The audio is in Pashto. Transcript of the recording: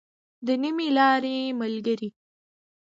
د نيمې لارې ملګری.